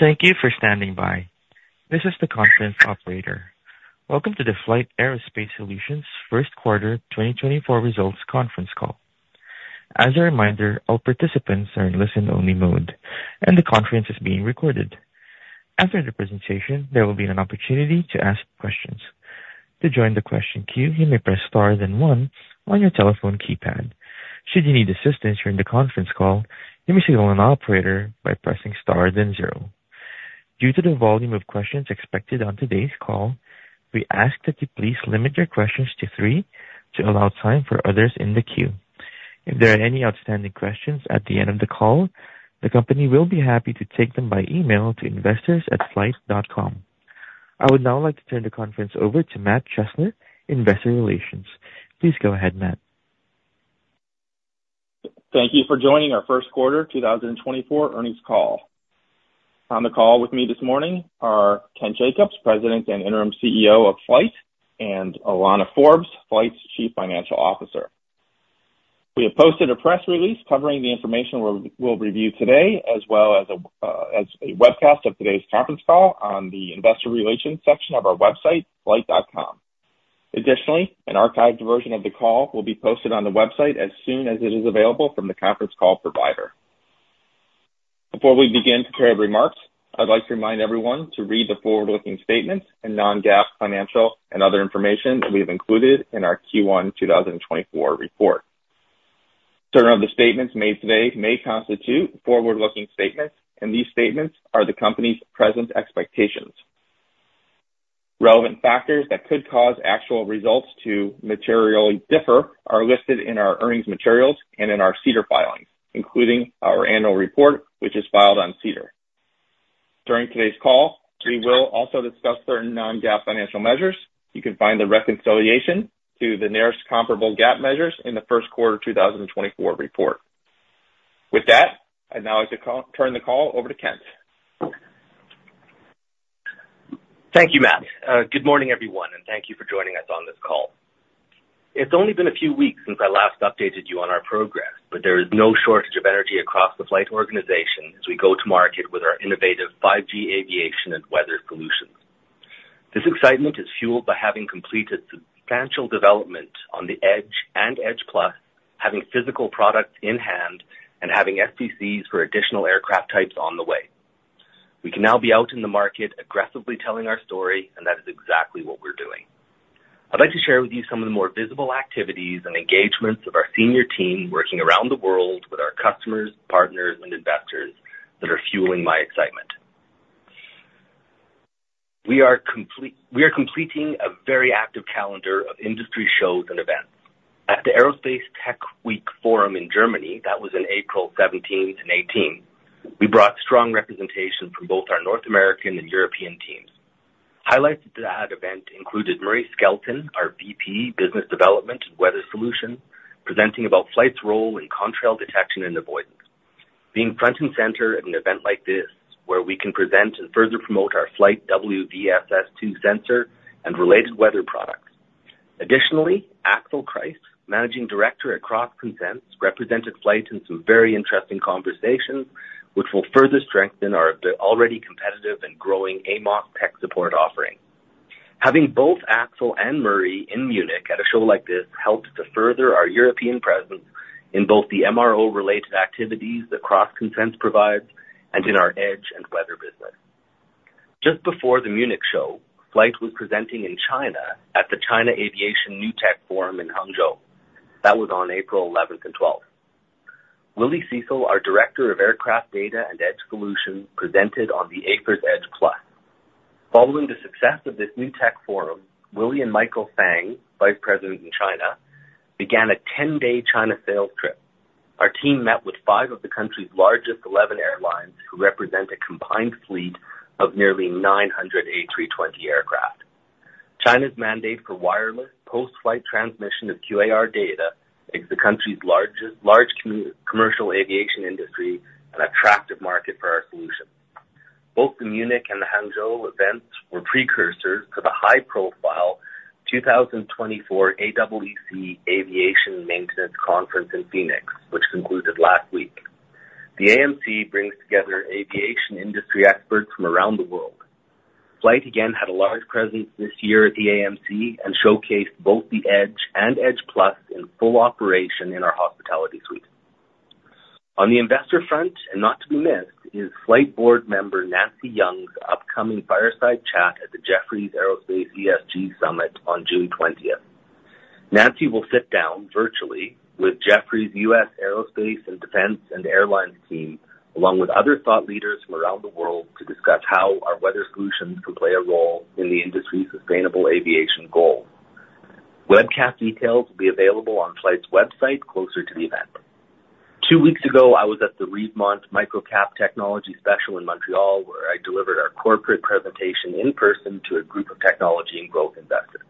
Thank you for standing by. This is the conference operator. Welcome to the FLYHT Aerospace Solutions first quarter 2024 results conference call. As a reminder, all participants are in listen-only mode, and the conference is being recorded. After the presentation, there will be an opportunity to ask questions. To join the question queue, you may press star then one on your telephone keypad. Should you need assistance during the conference call, you may signal an operator by pressing star then zero. Due to the volume of questions expected on today's call, we ask that you please limit your questions to 3 to allow time for others in the queue. If there are any outstanding questions at the end of the call, the company will be happy to take them by email to investors@flyht.com. I would now like to turn the conference over to Matt Chesney, Investor Relations. Please go ahead, Matt. Thank you for joining our first quarter 2024 earnings call. On the call with me this morning are Kent Jacobs, President and Interim CEO of FLYHT, and Alana Forbes, FLYHT's Chief Financial Officer. We have posted a press release covering the information we'll review today, as well as a webcast of today's conference call on the investor relations section of our website, flyht.com. Additionally, an archived version of the call will be posted on the website as soon as it is available from the conference call provider. Before we begin prepared remarks, I'd like to remind everyone to read the forward-looking statements and non-GAAP financial and other information that we have included in our Q1 2024 report. Certain of the statements made today may constitute forward-looking statements, and these statements are the company's present expectations. Relevant factors that could cause actual results to materially differ are listed in our earnings materials and in our SEDAR filings, including our annual report, which is filed on SEDAR. During today's call, we will also discuss certain non-GAAP financial measures. You can find the reconciliation to the nearest comparable GAAP measures in the first quarter 2024 report. With that, I'd now like to turn the call over to Kent. Thank you, Matt. Good morning, everyone, and thank you for joining us on this call. It's only been a few weeks since I last updated you on our progress, but there is no shortage of energy across the FLYHT organization as we go to market with our innovative 5G aviation and weather solutions. This excitement is fueled by having completed substantial development on the Edge and Edge+, having physical products in hand and having STCs for additional aircraft types on the way. We can now be out in the market aggressively telling our story, and that is exactly what we're doing. I'd like to share with you some of the more visible activities and engagements of our senior team working around the world with our customers, partners, and investors that are fueling my excitement. We are completing a very active calendar of industry shows and events. At the Aerospace Tech Week Forum in Germany, that was in April seventeenth and eighteenth, we brought strong representation from both our North American and European teams. Highlights at that event included Marie Skelton, our VP, Business Development, Weather Solutions, presenting about FLYHT's role in contrail detection and avoidance. Being front and center at an event like this, where we can present and further promote our FLYHT WVSS-II sensor and related weather products. Additionally, Axel Christ, Managing Director at CrossConsense, represented FLYHT in some very interesting conversations, which will further strengthen our, the already competitive and growing AMOS tech support offering. Having both Axel and Marie in Munich at a show like this helps to further our European presence in both the MRO-related activities that CrossConsense provides and in our Edge and weather business. Just before the Munich show, FLYHT was presenting in China at the China Aviation New Tech Forum in Hangzhou. That was on April eleventh and twelfth. Willie Cecil, our Director of Aircraft Data and Edge Solutions, presented on the AFIRS Edge+. Following the success of this new tech forum, Willie and Michael Fang, Vice President in China, began a 10-day China sales trip. Our team met with five of the country's largest 11 airlines, who represent a combined fleet of nearly 900 A320 aircraft. China's mandate for wireless post-flight transmission of QAR data makes the country's largest commercial aviation industry an attractive market for our solution. Both the Munich and the Hangzhou events were precursors to the high-profile 2024 AMC Aviation Maintenance Conference in Phoenix, which concluded last week. The AMC brings together aviation industry experts from around the world. FLYHT again, had a large presence this year at the AMC and showcased both the Edge and Edge Plus in full operation in our hospitality suite. On the investor front, and not to be missed, is FLYHT board member Nancy Young's upcoming fireside chat at the Jefferies Aerospace ESG Summit on June 20. Nancy will sit down virtually with Jefferies' U.S. Aerospace and Defense and Airlines team, along with other thought leaders from around the world, to discuss how our weather solutions can play a role in the industry's sustainable aviation goal. Webcast details will be available on FLYHT's website closer to the event. Two weeks ago, I was at the Red Cloud MicroCap Technology Special in Montreal, where I delivered our corporate presentation in person to a group of technology and growth investors.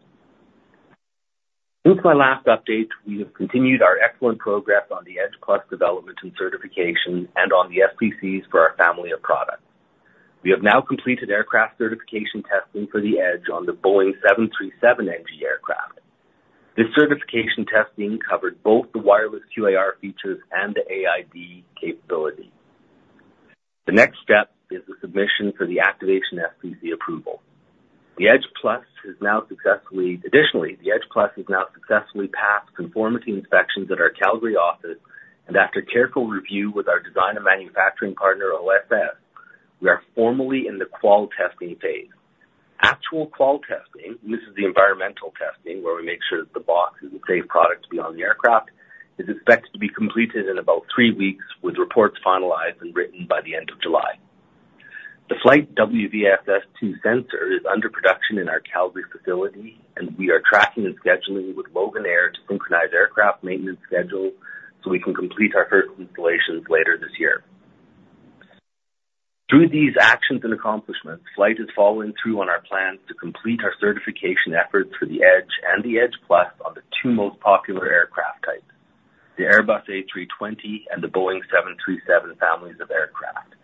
Since my last update, we have continued our excellent progress on the Edge Plus development and certification and on the STCs for our family of products. We have now completed aircraft certification testing for the Edge on the Boeing 737 NG aircraft. This certification testing covered both the wireless QAR features and the AID capability. The next step is the submission for the activation STC approval. Additionally, the Edge Plus has now successfully passed conformity inspections at our Calgary office, and after careful review with our design and manufacturing partner, LSS, we are formally in the qual testing phase. Actual qual testing, and this is the environmental testing, where we make sure that the box is a safe product to be on the aircraft, is expected to be completed in about three weeks, with reports finalized and written by the end of July. The FLYHT WVSS2 sensor is under production in our Calgary facility, and we are tracking and scheduling with Loganair to synchronize aircraft maintenance schedule so we can complete our first installations later this year. Through these actions and accomplishments, FLYHT is following through on our plans to complete our certification efforts for the Edge and the Edge Plus on the two most popular aircraft types, the Airbus A320 and the Boeing 737 families of aircraft.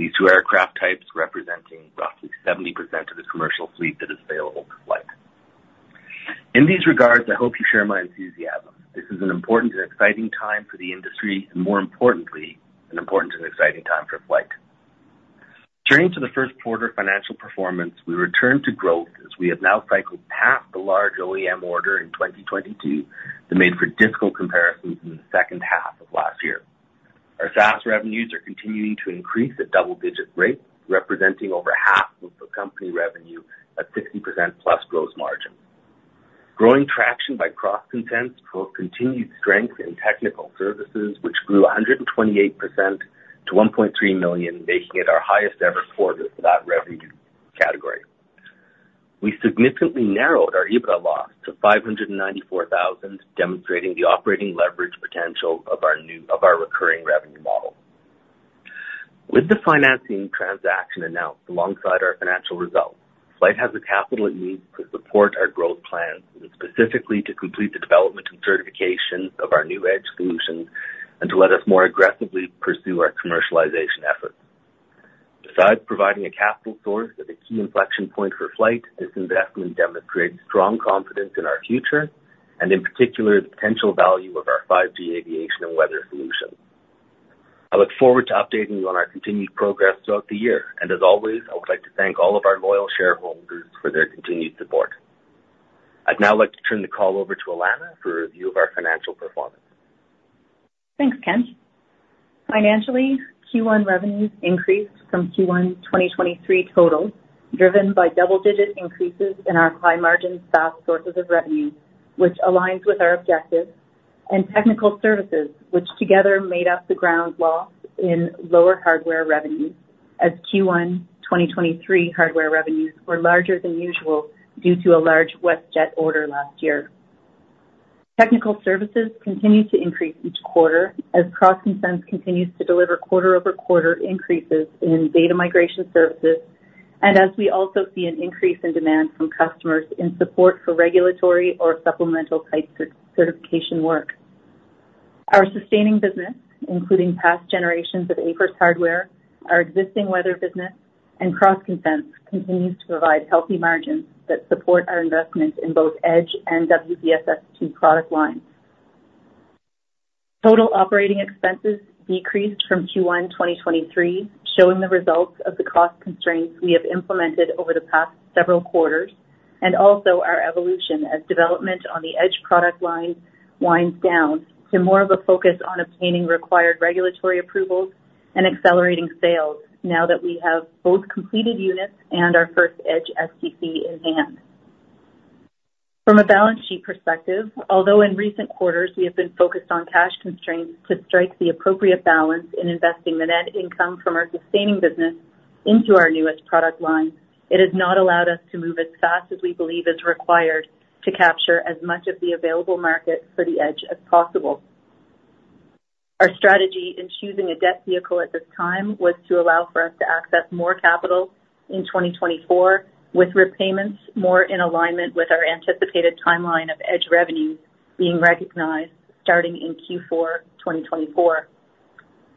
These two aircraft types representing roughly 70% of the commercial fleet that is available to FLYHT. In these regards, I hope you share my enthusiasm. This is an important and exciting time for the industry, and more importantly, an important and exciting time for FLYHT. Turning to the first quarter financial performance, we returned to growth as we have now cycled past the large OEM order in 2022 that made for difficult comparisons in the second half of last year. Our SaaS revenues are continuing to increase at double-digit rates, representing over half of the company revenue at 60%+ gross margin. Growing traction by CrossConsense continued strength in technical services, which grew 128% to 1.3 million, making it our highest ever quarter for that revenue category. We significantly narrowed our EBITDA loss to 594,000, demonstrating the operating leverage potential of our new, of our recurring revenue model. With the financing transaction announced alongside our financial results, FLYHT has the capital it needs to support our growth plans, and specifically to complete the development and certification of our new Edge solutions, and to let us more aggressively pursue our commercialization efforts. Besides providing a capital source at a key inflection point for FLYHT, this investment demonstrates strong confidence in our future and in particular, the potential value of our 5G aviation and weather solutions. I look forward to updating you on our continued progress throughout the year, and as always, I would like to thank all of our loyal shareholders for their continued support. I'd now like to turn the call over to Alana for a review of our financial performance. Thanks, Ken. Financially, Q1 revenues increased from Q1 2023 total, driven by double-digit increases in our high-margin SaaS sources of revenue, which aligns with our objectives and technical services, which together made up the ground loss in lower hardware revenues, as Q1 2023 hardware revenues were larger than usual due to a large WestJet order last year. Technical services continue to increase each quarter as CrossConsense continues to deliver quarter-over-quarter increases in data migration services, and as we also see an increase in demand from customers in support for regulatory or supplemental type certification work. Our sustaining business, including past generations of AFIRS hardware, our existing weather business and CrossConsense, continues to provide healthy margins that support our investments in both Edge and WVSS 2 product lines. Total operating expenses decreased from Q1 2023, showing the results of the cost constraints we have implemented over the past several quarters, and also our evolution as development on the Edge product line winds down to more of a focus on obtaining required regulatory approvals and accelerating sales now that we have both completed units and our first Edge STC in hand. From a balance sheet perspective, although in recent quarters we have been focused on cash constraints to strike the appropriate balance in investing the net income from our sustaining business into our newest product line, it has not allowed us to move as fast as we believe is required to capture as much of the available market for the Edge as possible. Our strategy in choosing a debt vehicle at this time was to allow for us to access more capital in 2024, with repayments more in alignment with our anticipated timeline of Edge revenues being recognized starting in Q4 2024.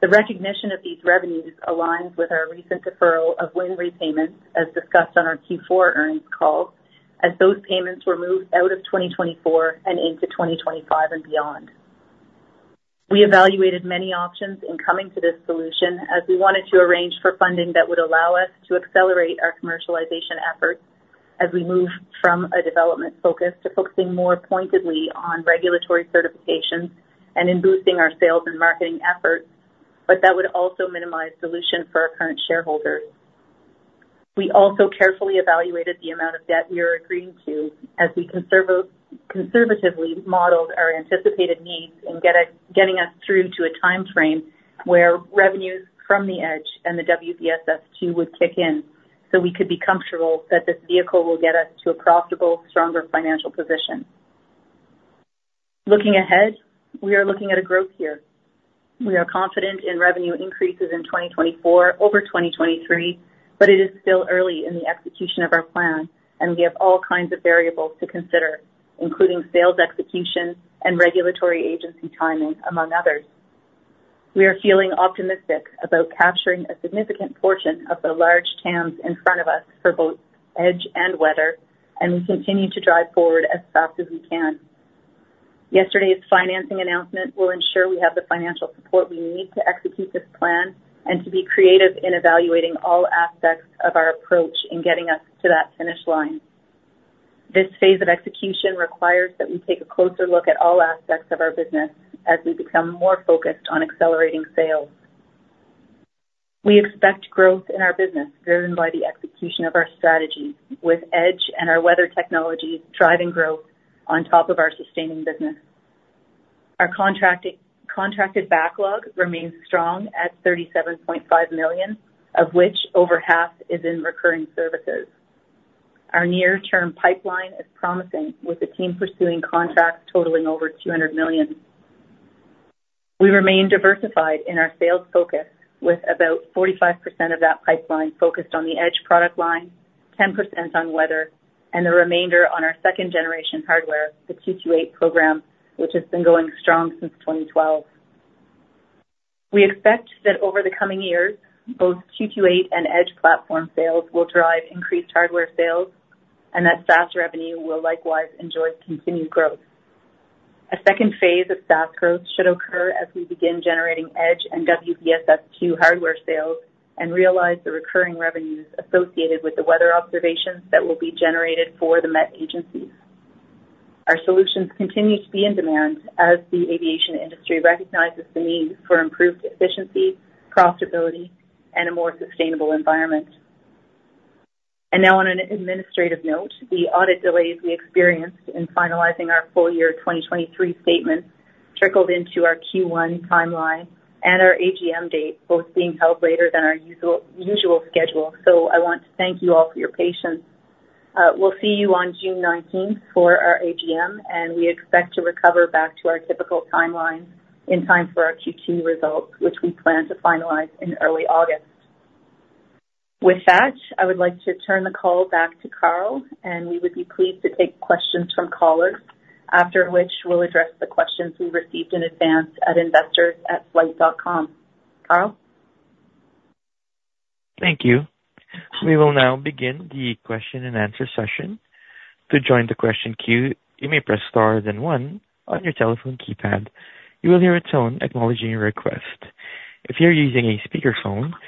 The recognition of these revenues aligns with our recent deferral of WINN repayments, as discussed on our Q4 earnings call, as those payments were moved out of 2024 and into 2025 and beyond. We evaluated many options in coming to this solution, as we wanted to arrange for funding that would allow us to accelerate our commercialization efforts as we move from a development focus to focusing more pointedly on regulatory certifications and in boosting our sales and marketing efforts, but that would also minimize dilution for our current shareholders. We also carefully evaluated the amount of debt we are agreeing to as we conservatively modeled our anticipated needs in getting us through to a time frame where revenues from the Edge and the WVSS-II would kick in, so we could be comfortable that this vehicle will get us to a profitable, stronger financial position. Looking ahead, we are looking at a growth year. We are confident in revenue increases in 2024 over 2023, but it is still early in the execution of our plan, and we have all kinds of variables to consider, including sales, execution, and regulatory agency timing, among others. We are feeling optimistic about capturing a significant portion of the large TAMs in front of us for both Edge and weather, and we continue to drive forward as fast as we can. Yesterday's financing announcement will ensure we have the financial support we need to execute this plan and to be creative in evaluating all aspects of our approach in getting us to that finish line. This phase of execution requires that we take a closer look at all aspects of our business as we become more focused on accelerating sales. We expect growth in our business, driven by the execution of our strategy with Edge and our weather technologies driving growth on top of our sustaining business. Our contracted backlog remains strong at 37.5 million, of which over half is in recurring services. Our near-term pipeline is promising, with the team pursuing contracts totaling over 200 million. We remain diversified in our sales focus, with about 45% of that pipeline focused on the Edge product line, 10% on weather, and the remainder on our second generation hardware, the 228 program, which has been going strong since 2012. We expect that over the coming years, both 228 and Edge platform sales will drive increased hardware sales and that SaaS revenue will likewise enjoy continued growth. A second phase of SaaS growth should occur as we begin generating Edge and WVSS-II hardware sales and realize the recurring revenues associated with the weather observations that will be generated for the met agencies. Our solutions continue to be in demand as the aviation industry recognizes the need for improved efficiency, profitability, and a more sustainable environment. And now on an administrative note, the audit delays we experienced in finalizing our full year 2023 statements trickled into our Q1 timeline and our AGM date, both being held later than our usual, usual schedule. So I want to thank you all for your patience. We'll see you on June nineteenth for our AGM, and we expect to recover back to our typical timeline in time for our Q2 results, which we plan to finalize in early August. With that, I would like to turn the call back to Carl, and we would be pleased to take questions from callers, after which we'll address the questions we received in advance at investors@flyht.com. Carl? Thank you. We will now begin the question-and-answer session. To join the question queue, you may press star, then one on your telephone keypad. You will hear a tone acknowledging your request. If you're using a speakerphone, please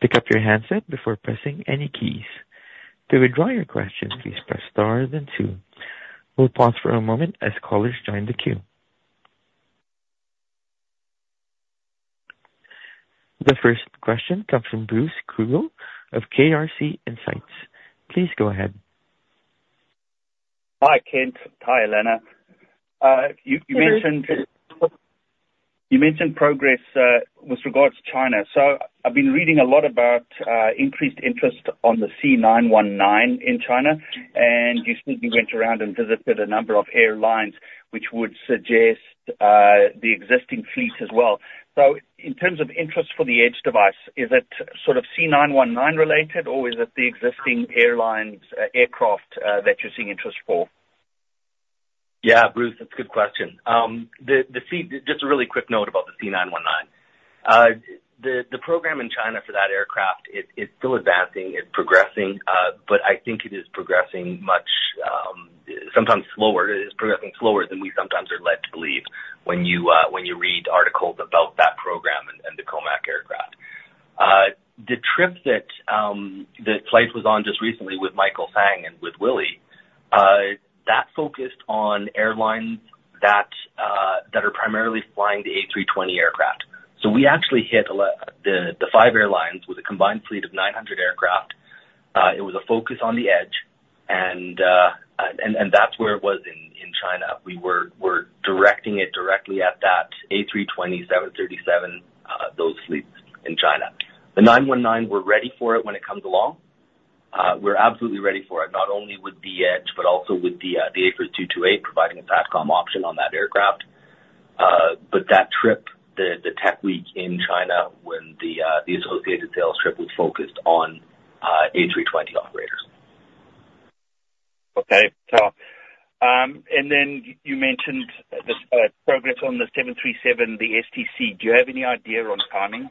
pick up your handset before pressing any keys. To withdraw your question, please press star, then two. We'll pause for a moment as callers join the queue. The first question comes from Bruce Krugel of KRC Insights. Please go ahead. Hi, Kent. Hi, Alana. You mentioned- Hi, Bruce. You mentioned progress, with regards to China. So I've been reading a lot about, increased interest on the C919 in China, and you said you went around and visited a number of airlines, which would suggest, the existing fleet as well. So in terms of interest for the Edge device, is it sort of C919 related, or is it the existing airlines, aircraft, that you're seeing interest for? Yeah, Bruce, that's a good question. Just a really quick note about the C919. The program in China for that aircraft, it's still advancing, it's progressing, but I think it is progressing much, sometimes slower. It's progressing slower than we sometimes are led to believe when you read articles about that program and the COMAC aircraft. The trip that FLYHT was on just recently with Michael Fang and with Willie, that focused on airlines that are primarily flying the A320 aircraft. So we actually hit the five airlines with a combined fleet of 900 aircraft. It was a focus on the Edge, and that's where it was in China. We were, we're directing it directly at that A320, 737, those fleets in China. The 919, we're ready for it when it comes along. We're absolutely ready for it, not only with the Edge, but also with the AFIRS 228, providing a SATCOM option on that aircraft. But that trip, the tech week in China, when the associated sales trip was focused on A320 operators. Okay. So, and then you mentioned the progress on the 737, the STC. Do you have any idea on timing?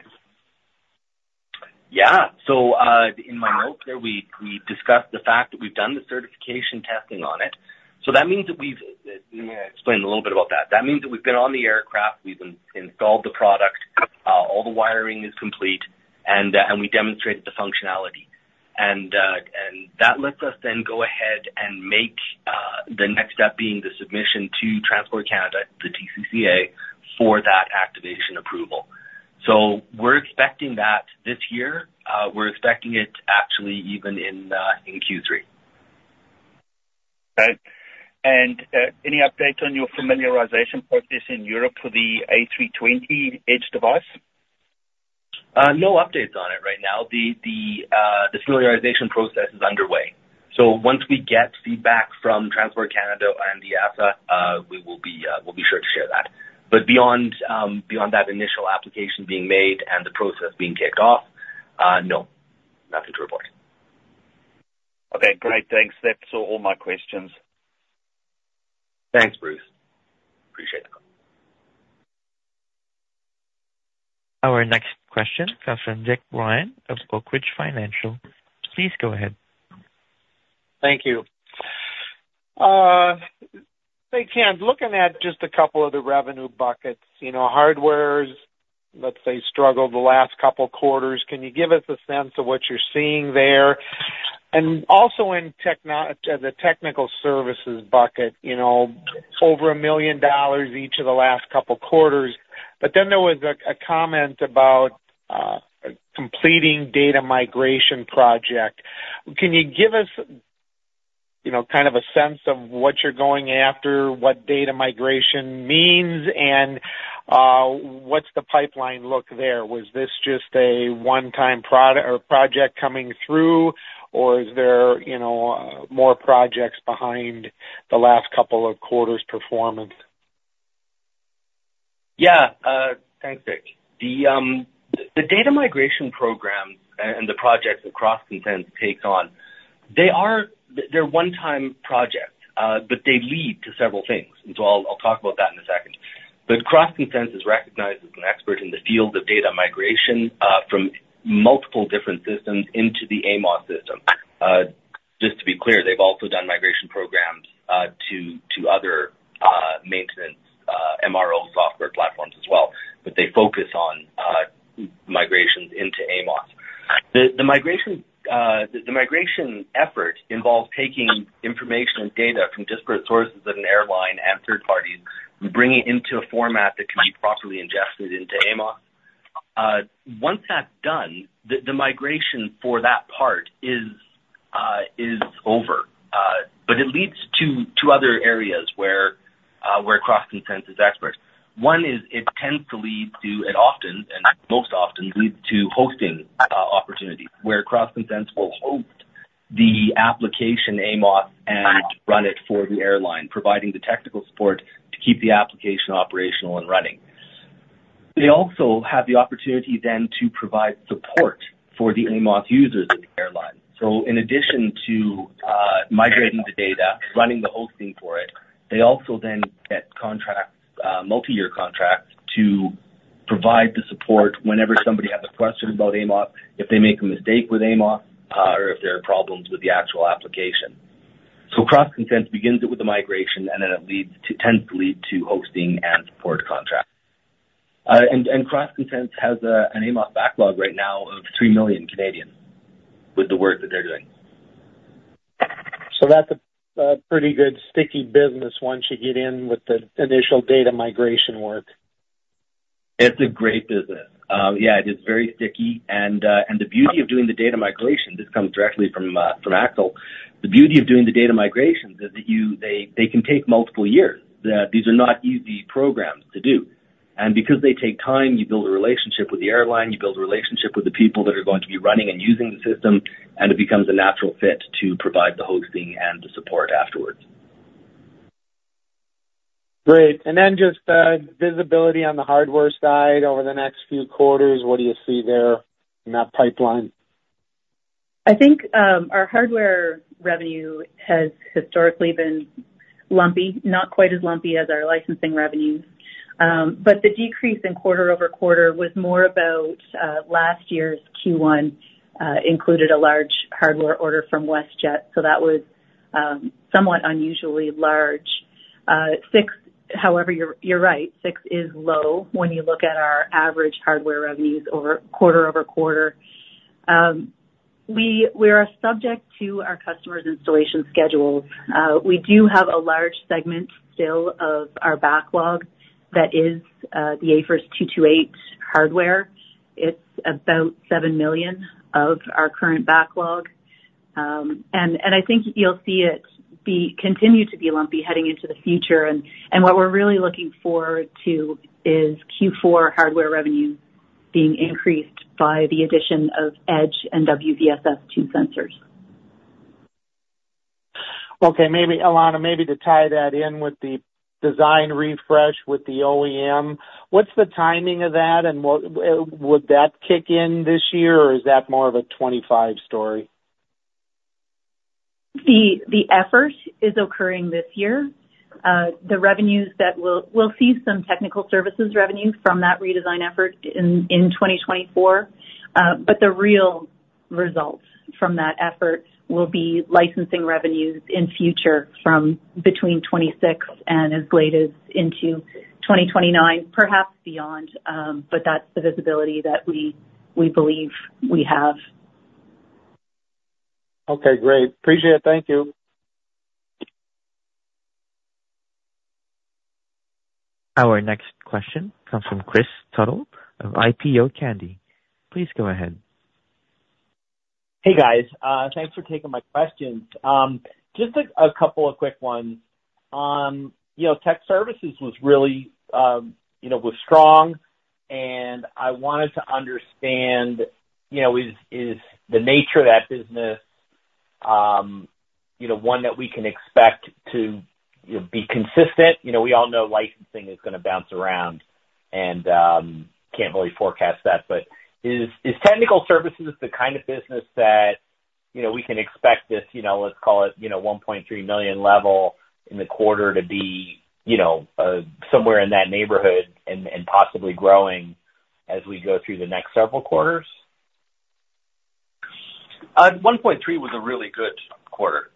Yeah. So, in my notes there, we discussed the fact that we've done the certification testing on it. So that means that we've, let me explain a little bit about that. That means that we've been on the aircraft, we've installed the product, all the wiring is complete, and we demonstrated the functionality. That lets us then go ahead and make the next step, being the submission to Transport Canada, the TCCA, for that activation approval. So we're expecting that this year. We're expecting it actually even in Q3. Okay. And, any update on your familiarization process in Europe for the A320 Edge device? No updates on it right now. The familiarization process is underway. So once we get feedback from Transport Canada and the EASA, we'll be sure to share that. But beyond that initial application being made and the process being kicked off, no.... Okay, great. Thanks. That's all, all my questions. Thanks, Bruce. Appreciate the call. Our next question comes from Dick Ryan of Oak Ridge Financial. Please go ahead. Thank you. Hey, Ken, looking at just a couple of the revenue buckets, you know, hardware's, let's say, struggled the last couple quarters. Can you give us a sense of what you're seeing there? And also in the technical services bucket, you know, over 1 million dollars each of the last couple quarters. But then there was a comment about completing data migration project. Can you give us, you know, kind of a sense of what you're going after, what data migration means, and what's the pipeline look there? Was this just a one-time project coming through, or is there, you know, more projects behind the last couple of quarters' performance? Yeah. Thanks, Dick. The data migration program and the projects that CrossConsense takes on, they're one-time projects, but they lead to several things, and so I'll talk about that in a second. But CrossConsense is recognized as an expert in the field of data migration from multiple different systems into the AMOS system. Just to be clear, they've also done migration programs to other maintenance MRO software platforms as well, but they focus on migrations into AMOS. The migration effort involves taking information and data from disparate sources at an airline and third parties, and bringing it into a format that can be properly ingested into AMOS. Once that's done, the migration for that part is over, but it leads to two other areas where CrossConsense is experts. One is it tends to lead to, and often, and most often, leads to hosting opportunities, where CrossConsense will host the application AMOS and run it for the airline, providing the technical support to keep the application operational and running. They also have the opportunity then to provide support for the AMOS users of the airline. So in addition to migrating the data, running the hosting for it, they also then get contracts, multi-year contracts, to provide the support whenever somebody has a question about AMOS, if they make a mistake with AMOS, or if there are problems with the actual application. So CrossConsense begins it with the migration, and then it leads to, tends to lead to hosting and support contracts. And CrossConsense has an AMOS backlog right now of 3 million, with the work that they're doing. So that's a pretty good sticky business once you get in with the initial data migration work. It's a great business. Yeah, it is very sticky and, and the beauty of doing the data migration, this comes directly from, from Axel. The beauty of doing the data migrations is that you, they, they can take multiple years. These are not easy programs to do. And because they take time, you build a relationship with the airline, you build a relationship with the people that are going to be running and using the system, and it becomes a natural fit to provide the hosting and the support afterwards. Great. And then just visibility on the hardware side over the next few quarters. What do you see there in that pipeline? I think our hardware revenue has historically been lumpy, not quite as lumpy as our licensing revenues. But the decrease in quarter-over-quarter was more about last year's Q1 included a large hardware order from WestJet, so that was somewhat unusually large. However, you're right, 6 is low when you look at our average hardware revenues over quarter-over-quarter. We're subject to our customers' installation schedules. We do have a large segment still of our backlog that is the AFIRS 228 hardware. It's about 7 million of our current backlog. And I think you'll see it continue to be lumpy heading into the future. And what we're really looking forward to is Q4 hardware revenue being increased by the addition of Edge and WVSS2 sensors. Okay, maybe Alana, maybe to tie that in with the design refresh with the OEM, what's the timing of that, and what would that kick in this year, or is that more of a 25 story? The effort is occurring this year. The revenues that we'll see, some technical services revenues from that redesign effort in 2024. But the real results from that effort will be licensing revenues in future from between 2026 and as late as into 2029, perhaps beyond. But that's the visibility that we believe we have. Okay, great. Appreciate it. Thank you. Our next question comes from Chris Tuttle of IPO Candy. Please go ahead. Hey, guys. Thanks for taking my questions. Just a couple of quick ones. You know, tech services was really, you know, was strong, and I wanted to understand, you know, is the nature of that business.... you know, one that we can expect to, you know, be consistent? You know, we all know licensing is going to bounce around, and, can't really forecast that. But is technical services the kind of business that, you know, we can expect this, you know, let's call it, you know, 1.3 million level in the quarter to be, you know, somewhere in that neighborhood and possibly growing as we go through the next several quarters? 1.3 was a really good quarter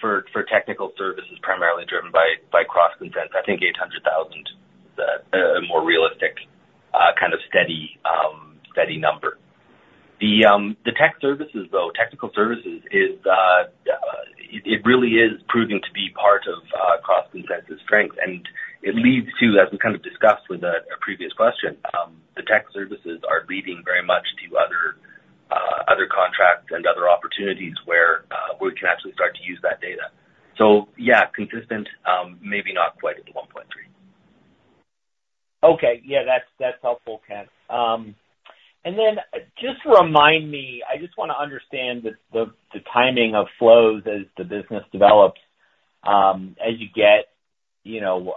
for technical services, primarily driven by CrossConsense. I think 800,000 is a more realistic kind of steady number. The tech services, though, technical services, really is proving to be part of CrossConsense's strength. And it leads to, as we kind of discussed with a previous question, the tech services are leading very much to other contracts and other opportunities where we can actually start to use that data. So yeah, consistent, maybe not quite at the 1.3 million. Okay. Yeah, that's helpful, Kent. And then just remind me, I just want to understand the timing of flows as the business develops. As you get, you know,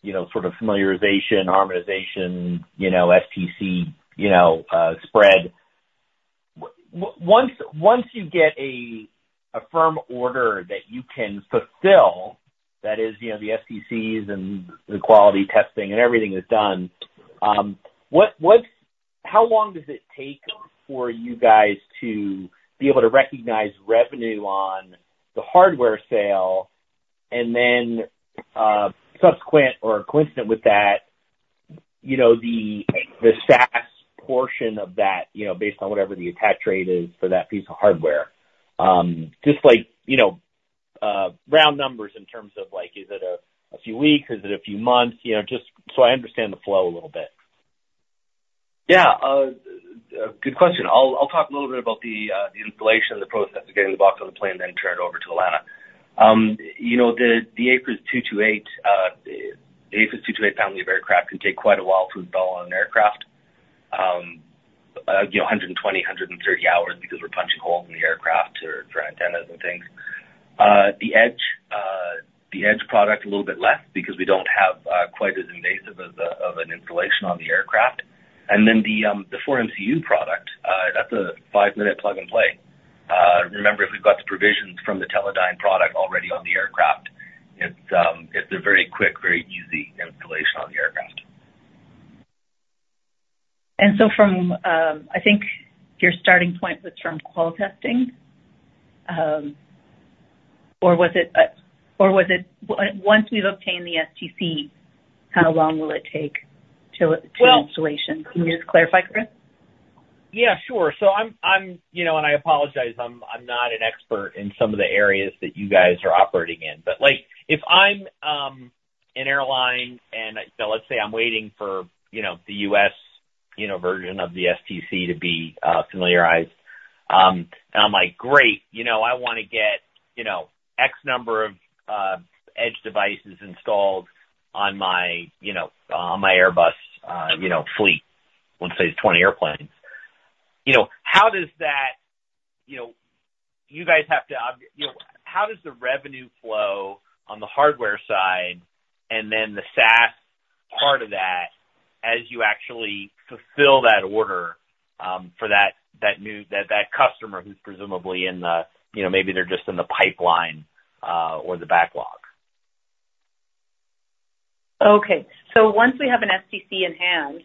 you know, sort of familiarization, harmonization, you know, STC, you know, spread. Once, once you get a firm order that you can fulfill, that is, you know, the STCs and the quality testing and everything is done, what's, how long does it take for you guys to be able to recognize revenue on the hardware sale? And then, subsequent or coincident with that, you know, the SaaS portion of that, you know, based on whatever the attach rate is for that piece of hardware. Just like, you know, round numbers in terms of like, is it a few weeks, is it a few months? You know, just so I understand the flow a little bit. Yeah, good question. I'll, I'll talk a little bit about the, the installation and the process of getting the box on the plane, then turn it over to Alana. You know, the, the AFIRS 228, the AFIRS 228 family of aircraft can take quite a while to install on an aircraft. You know, 120, 130 hours, because we're punching holes in the aircraft or for antennas and things. The Edge, the Edge product, a little bit less, because we don't have, quite as invasive of a, of an installation on the aircraft. And then the, the four MCU product, that's a 5-minute plug-and-play. Remember, if we've got the provisions from the Teledyne product already on the aircraft, it's a very quick, very easy installation on the aircraft. And so from, I think your starting point was from qual testing, or was it, or was it once we've obtained the STC, how long will it take to- Well- Installation? Can you just clarify, Chris? Yeah, sure. So I'm, you know, and I apologize, I'm not an expert in some of the areas that you guys are operating in. But, like, if I'm an airline, and so let's say I'm waiting for, you know, the U.S., you know, version of the STC to be familiarized, and I'm like, "Great, you know, I want to get, you know, X number of Edge devices installed on my, you know, on my Airbus, you know, fleet," let's say it's 20 airplanes. You know, how does the revenue flow on the hardware side, and then the SaaS part of that, as you actually fulfill that order for that new customer who's presumably in the, you know, maybe they're just in the pipeline or the backlog? Okay. So once we have an STC in hand,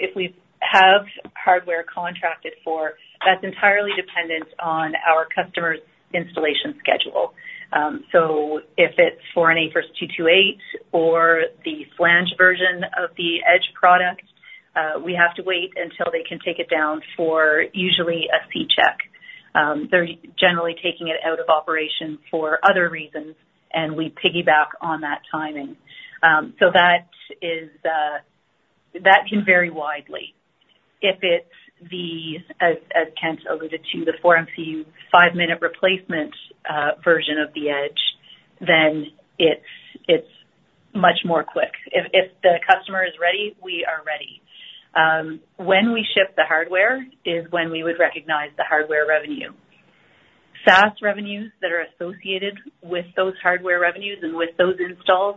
if we have hardware contracted for, that's entirely dependent on our customer's installation schedule. So if it's for an AFIRS 228 or the flange version of the Edge product, we have to wait until they can take it down for usually a C check. They're generally taking it out of operation for other reasons, and we piggyback on that timing. So that is, that can vary widely. If it's the, as Kent alluded to, the 4 MCU 5-minute replacement version of the Edge, then it's much more quick. If the customer is ready, we are ready. When we ship the hardware is when we would recognize the hardware revenue. SaaS revenues that are associated with those hardware revenues and with those installs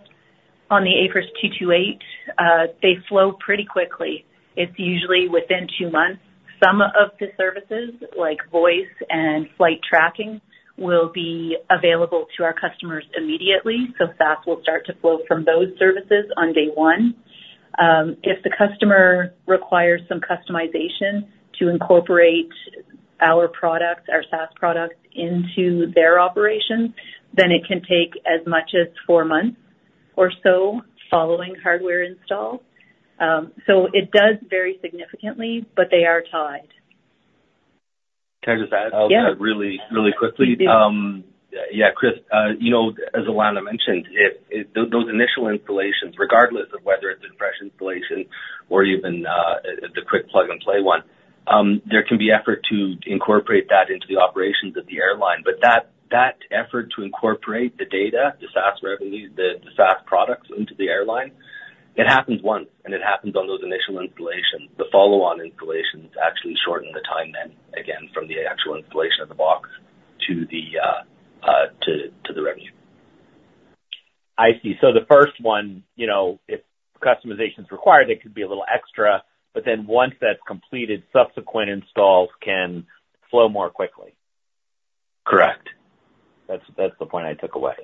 on the AFIRS 228, they flow pretty quickly. It's usually within 2 months. Some of the services, like voice and flight tracking, will be available to our customers immediately, so SaaS will start to flow from those services on day one. If the customer requires some customization to incorporate our products, our SaaS products, into their operations, then it can take as much as 4 months or so following hardware install. So it does vary significantly, but they are tied. Can I just add- Yeah. really, really quickly? Please do. Yeah, Chris, you know, as Alana mentioned, those initial installations, regardless of whether it's a fresh installation or even the quick plug-and-play one, there can be effort to incorporate that into the operations of the airline. But that, that effort to incorporate the data, the SaaS revenue, the SaaS products into the airline... It happens once, and it happens on those initial installations. The follow-on installations actually shorten the time then, again, from the actual installation of the box to the revenue. I see. So the first one, you know, if customization is required, it could be a little extra, but then once that's completed, subsequent installs can flow more quickly? Correct. That's the point I took away.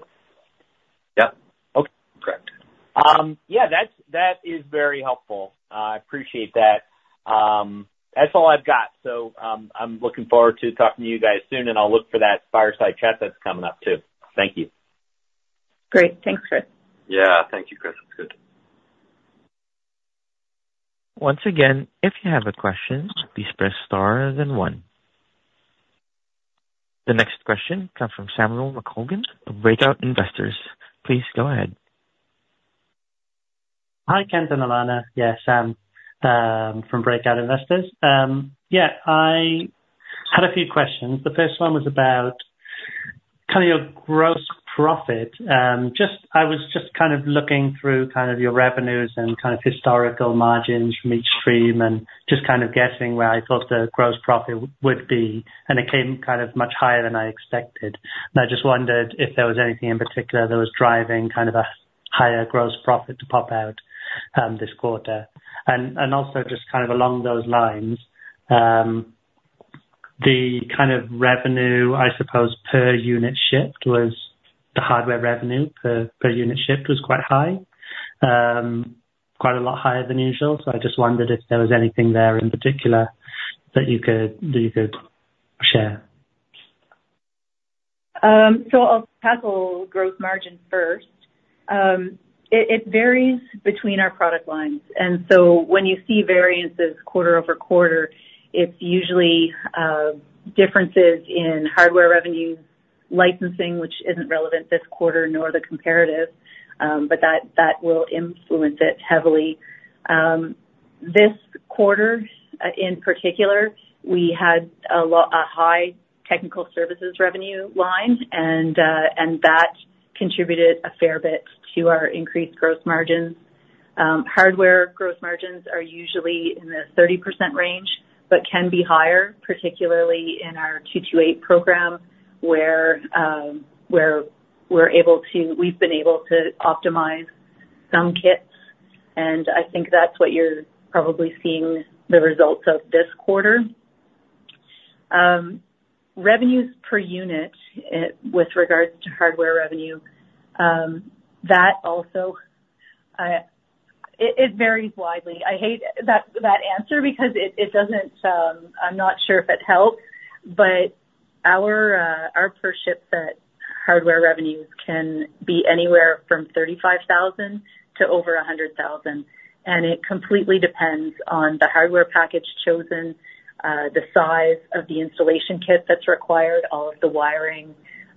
Yep. Okay, correct. Yeah, that is very helpful. I appreciate that. That's all I've got. So, I'm looking forward to talking to you guys soon, and I'll look for that fireside chat that's coming up, too. Thank you. Great. Thanks, Chris. Yeah. Thank you, Chris. It's good. Once again, if you have a question, please press star then one. The next question comes from Sam McColgan of Breakout Investors. Please go ahead. Hi, Kent and Alana. Yes, Sam, from Breakout Investors. Yeah, I had a few questions. The first one was about kind of your gross profit. Just, I was just kind of looking through kind of your revenues and kind of historical margins from each stream and just kind of guessing where I thought the gross profit would be, and it came kind of much higher than I expected. And I just wondered if there was anything in particular that was driving kind of a higher gross profit to pop out, this quarter. And also just kind of along those lines, the kind of revenue, I suppose, per unit shipped was the hardware revenue per unit shipped was quite high, quite a lot higher than usual. I just wondered if there was anything there in particular that you could, you could share? So I'll tackle growth margin first. It varies between our product lines, and so when you see variances quarter-over-quarter, it's usually differences in hardware revenue licensing, which isn't relevant this quarter nor the comparative, but that will influence it heavily. This quarter, in particular, we had a high technical services revenue line, and that contributed a fair bit to our increased gross margins. Hardware gross margins are usually in the 30% range, but can be higher, particularly in our 228 program, where we've been able to optimize some kits, and I think that's what you're probably seeing the results of this quarter. Revenues per unit, with regards to hardware revenue, that also varies widely. I hate that answer because it doesn't, I'm not sure if it helps, but our per ship set hardware revenues can be anywhere from 35,000 to over 100,000, and it completely depends on the hardware package chosen, the size of the installation kit that's required, all of the wiring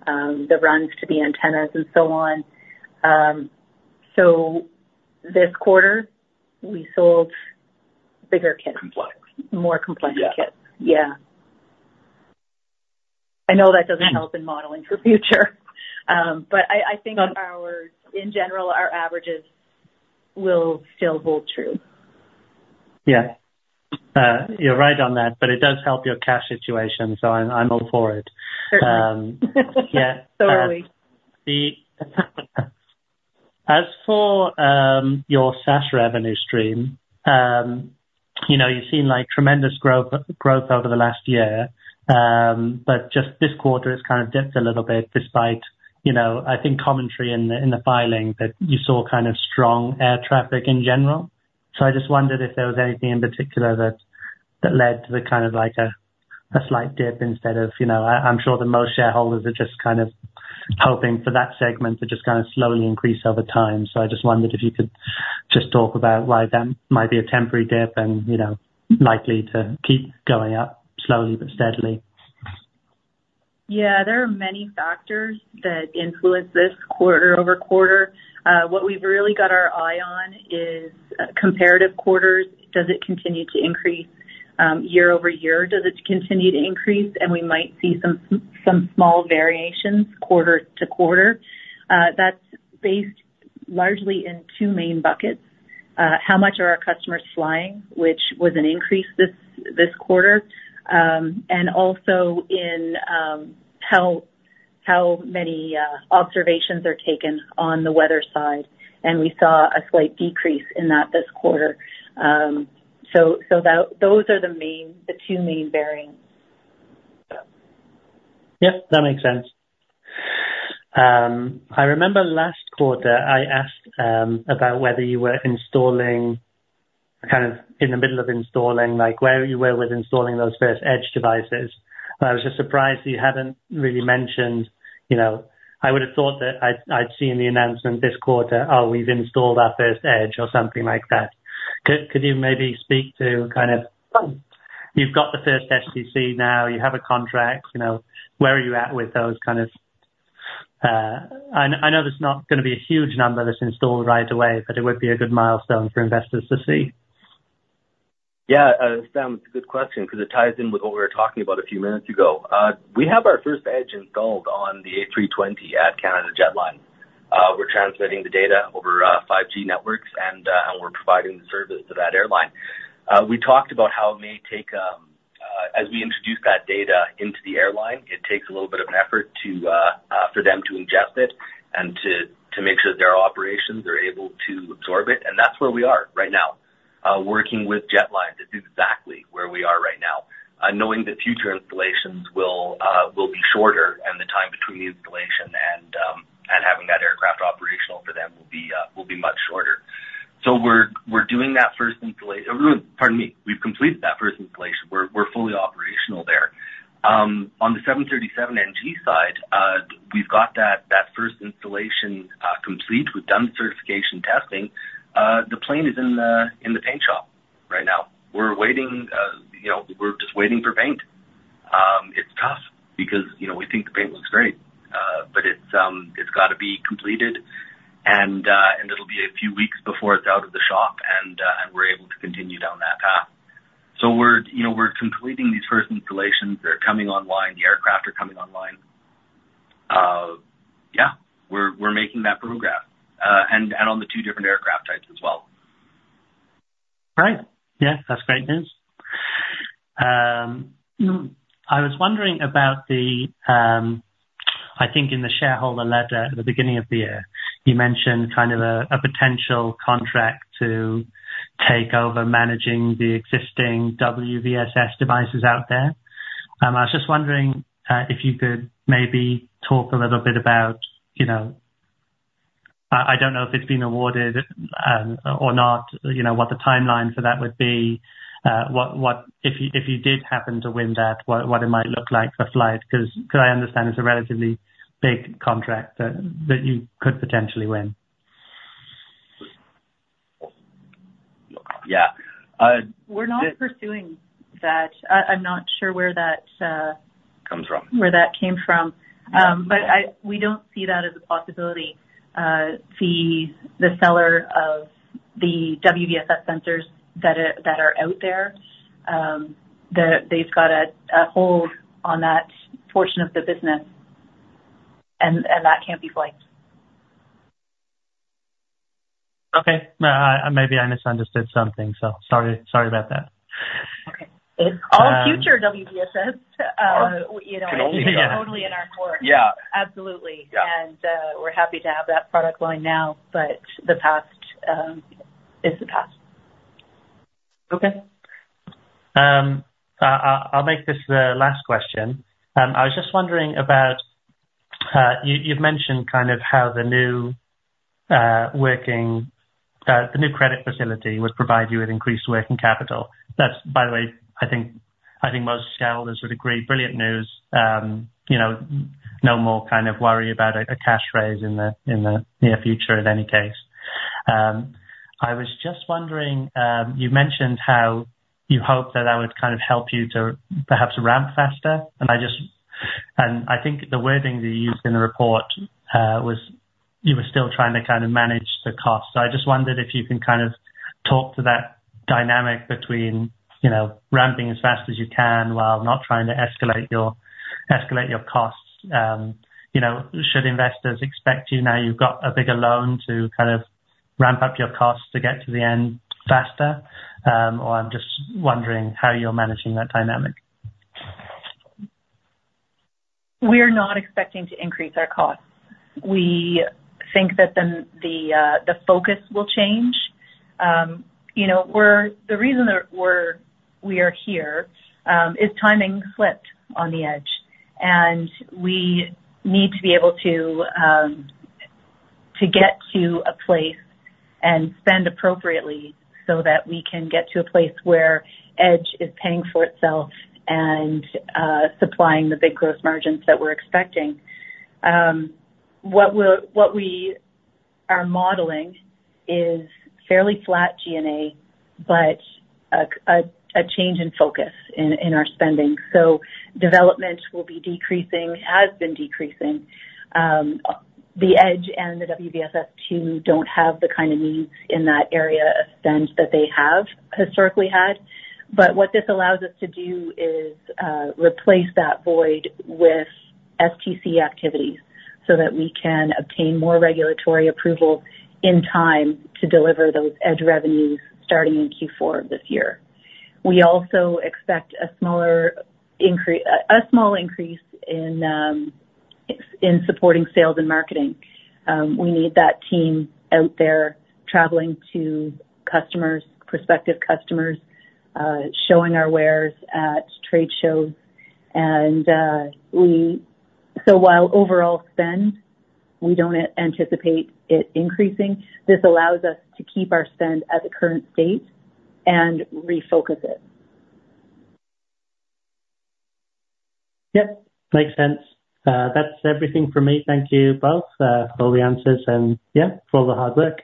that runs to the antennas and so on. So this quarter, we sold bigger kits. Complex. More complex kits. Yeah. Yeah. I know that doesn't help in modeling for future. But I think our, in general, our averages will still hold true. Yeah. You're right on that, but it does help your cash situation, so I'm all for it. Perfect. Um, yeah. So are we. As for your SaaS revenue stream, you know, you've seen like tremendous growth, growth over the last year. But just this quarter, it's kind of dipped a little bit despite, you know, I think commentary in the filing that you saw kind of strong air traffic in general. So I just wondered if there was anything in particular that led to the kind of like a slight dip instead of, you know, I, I'm sure that most shareholders are just kind of hoping for that segment to just kind of slowly increase over time. So I just wondered if you could just talk about why that might be a temporary dip and, you know, likely to keep going up slowly but steadily. Yeah. There are many factors that influence this quarter-over-quarter. What we've really got our eye on is comparative quarters. Does it continue to increase year-over-year? Does it continue to increase? And we might see some small variations quarter-to-quarter. That's based largely in two main buckets. How much are our customers flying, which was an increase this quarter, and also in how many observations are taken on the weather side, and we saw a slight decrease in that this quarter. So those are the two main bearings. Yep, that makes sense. I remember last quarter, I asked, about whether you were installing, kind of in the middle of installing, like, where you were with installing those first Edge devices. I was just surprised you hadn't really mentioned, you know... I would have thought that I'd, I'd seen the announcement this quarter, oh, we've installed our first Edge or something like that. Could, could you maybe speak to kind of, you've got the first STC now, you have a contract, you know, where are you at with those kind of, I know there's not gonna be a huge number that's installed right away, but it would be a good milestone for investors to see. ... Yeah, Sam, it's a good question because it ties in with what we were talking about a few minutes ago. We have our first Edge installed on the A320 at Canada Jetlines. We're transmitting the data over 5G networks, and we're providing the service to that airline. We talked about how it may take, as we introduce that data into the airline, it takes a little bit of an effort to for them to ingest it and to make sure their operations are able to absorb it. And that's where we are right now, working with Jetlines. This is exactly where we are right now. Knowing that future installations will be shorter and the time between the installation and having that aircraft operational for them will be much shorter. So we're doing that first. Pardon me. We've completed that first installation. We're fully operational there. On the 737NG side, we've got that first installation complete. We've done the certification testing. The plane is in the paint shop right now. We're waiting, you know, we're just waiting for paint. It's tough because, you know, we think the paint looks great, but it's gotta be completed, and it'll be a few weeks before it's out of the shop, and we're able to continue down that path. So we're, you know, completing these first installations. They're coming online. The aircraft are coming online. Yeah, we're making that progress, and on the two different aircraft types as well. Great. Yeah, that's great news. I was wondering about the, I think in the shareholder letter at the beginning of the year, you mentioned kind of a potential contract to take over managing the existing WVSS devices out there. I was just wondering, if you could maybe talk a little bit about, you know... I don't know if it's been awarded, or not, you know, what the timeline for that would be. What, if you did happen to win that, what it might look like for FLYHT, 'cause I understand it's a relatively big contract that you could potentially win. Yeah, uh- We're not pursuing that. I'm not sure where that, Comes from. Where that came from. But we don't see that as a possibility. The seller of the WVSS sensors that are out there, they've got a hold on that portion of the business, and that can't be FLYHT. Okay. Maybe I misunderstood something, so sorry, sorry about that. Okay. All future WVSS, you know- Can only be- Totally in our court. Yeah. Absolutely. Yeah. We're happy to have that product line now, but the past is the past. Okay. I'll make this the last question. I was just wondering about you, you've mentioned kind of how the new working the new credit facility would provide you with increased working capital. That's, by the way, I think, I think most shareholders would agree, brilliant news. You know, no more kind of worry about a cash raise in the near future, in any case. I was just wondering, you mentioned how you hope that that would kind of help you to perhaps ramp faster, and I just... And I think the wording you used in the report was you were still trying to kind of manage the cost. So I just wondered if you can kind of talk to that dynamic between, you know, ramping as fast as you can while not trying to escalate your costs. You know, should investors expect you, now you've got a bigger loan, to kind of ramp up your costs to get to the end faster? Or I'm just wondering how you're managing that dynamic. We're not expecting to increase our costs. We think that the focus will change. You know, we're the reason that we're here is timing slipped on the Edge, and we need to be able to get to a place and spend appropriately so that we can get to a place where Edge is paying for itself and supplying the big gross margins that we're expecting. What we're modeling is fairly flat G&A, but a change in focus in our spending. So development will be decreasing, has been decreasing. The Edge and the WVSS 2 don't have the kind of needs in that area of spend that they have historically had. But what this allows us to do is, replace that void with STC activities so that we can obtain more regulatory approval in time to deliver those Edge revenues starting in Q4 of this year. We also expect a small increase in supporting sales and marketing. We need that team out there traveling to customers, prospective customers, showing our wares at trade shows. So while overall spend, we don't anticipate it increasing, this allows us to keep our spend at the current state and refocus it. Yep, makes sense. That's everything from me. Thank you both for all the answers, and yeah, for all the hard work.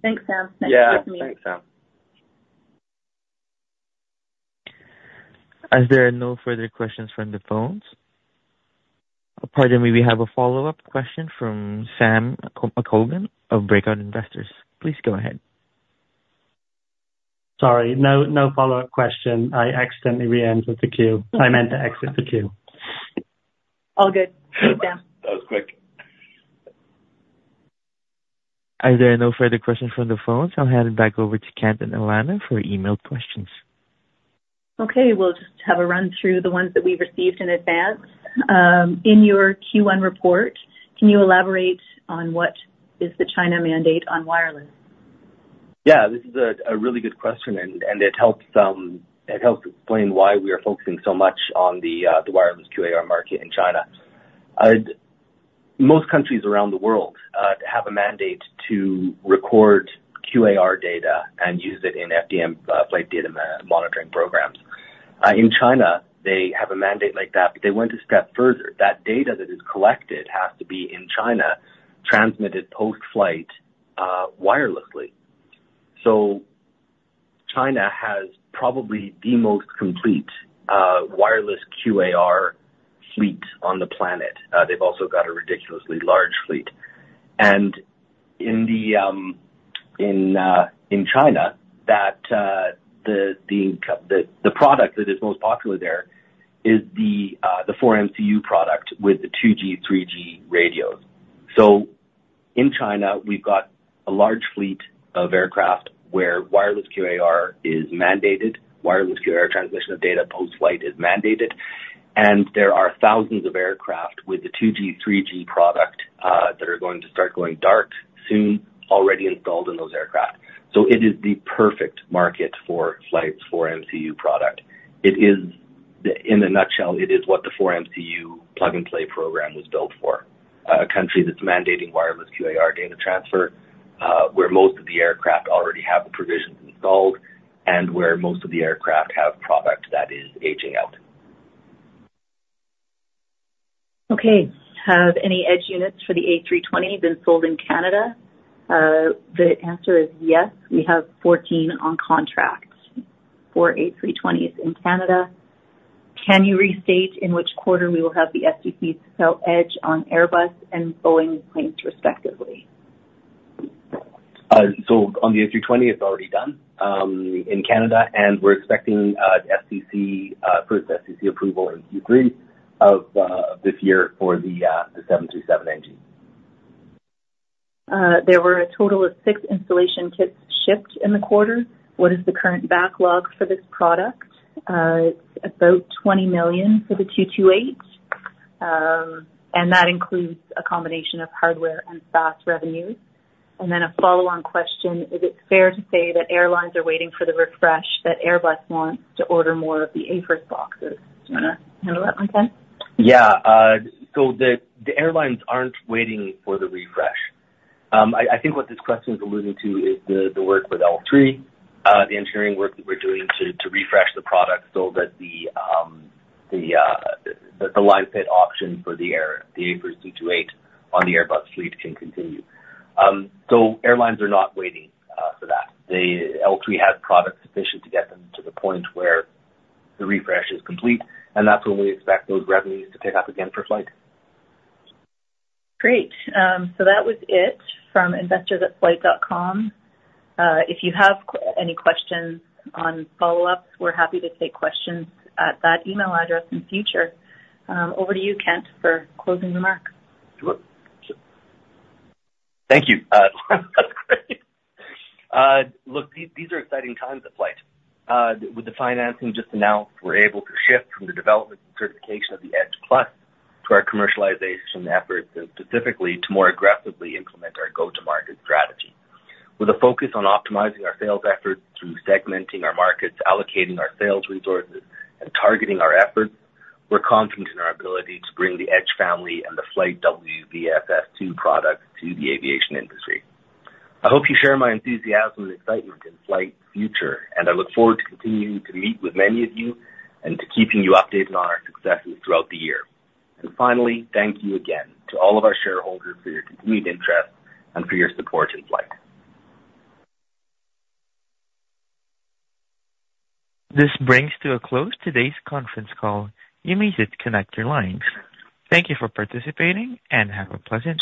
Thanks, Sam. Yeah. Thanks for asking me. Thanks, Sam.... As there are no further questions from the phones. Pardon me, we have a follow-up question from Sam McColgan of Breakout Investors. Please go ahead. Sorry, no, no follow-up question. I accidentally re-entered the queue. I meant to exit the queue. All good. Thanks, Sam. That was quick. As there are no further questions from the phones, I'll hand it back over to Kent and Alana for email questions. Okay. We'll just have a run through the ones that we received in advance. In your Q1 report, can you elaborate on what is the China mandate on wireless? Yeah, this is a really good question, and it helps explain why we are focusing so much on the wireless QAR market in China. Most countries around the world have a mandate to record QAR data and use it in FDM, flight data monitoring programs. In China, they have a mandate like that, but they went a step further. That data that is collected has to be in China, transmitted post-flight, wirelessly. So China has probably the most complete wireless QAR fleet on the planet. They've also got a ridiculously large fleet. And in China, the product that is most popular there is the four MCU product with the 2G, 3G radios. So in China, we've got a large fleet of aircraft where wireless QAR is mandated, wireless QAR transmission of data post-flight is mandated, and there are thousands of aircraft with the 2G, 3G product that are going to start going dark soon, already installed in those aircraft. So it is the perfect market for FLYHT's 4 MCU product. It is, in a nutshell, it is what the 4 MCU plug and play program was built for. A country that's mandating wireless QAR data transfer, where most of the aircraft already have the provisions installed, and where most of the aircraft have product that is aging out. Okay. Have any Edge units for the A320 been sold in Canada? The answer is yes. We have 14 on contract for A320s in Canada. Can you restate in which quarter we will have the STC sell Edge on Airbus and Boeing planes, respectively? So on the A320, it's already done in Canada, and we're expecting STC approval in Q3 of this year for the 737 NG. There were a total of six installation kits shipped in the quarter. What is the current backlog for this product? It's about 20 million for the 228. And that includes a combination of hardware and SaaS revenues. And then a follow-on question, is it fair to say that airlines are waiting for the refresh, that Airbus wants to order more of the AFIRS boxes? Do you want to handle that one, Kent? Yeah, so the airlines aren't waiting for the refresh. I think what this question is alluding to is the work with L3, the engineering work that we're doing to refresh the product so that the line fit option for the AFIRS 228 on the Airbus fleet can continue. So airlines are not waiting for that. The L3 has product sufficient to get them to the point where the refresh is complete, and that's when we expect those revenues to pick up again for FLYHT. Great. So that was it from investors@flyht.com. If you have any questions on follow-ups, we're happy to take questions at that email address in the future. Over to you, Kent, for closing remarks. Sure. Thank you. That's great. Look, these, these are exciting times at FLYHT. With the financing just announced, we're able to shift from the development and certification of the Edge Plus to our commercialization efforts, and specifically to more aggressively implement our go-to-market strategy. With a focus on optimizing our sales efforts through segmenting our markets, allocating our sales resources, and targeting our efforts, we're confident in our ability to bring the Edge family and the FLYHT WVSS two product to the aviation industry. I hope you share my enthusiasm and excitement in FLYHT's future, and I look forward to continuing to meet with many of you and to keeping you updated on our successes throughout the year. Finally, thank you again to all of our shareholders for your continued interest and for your support in FLYHT. This brings to a close today's conference call. You may disconnect your lines. Thank you for participating, and have a pleasant day.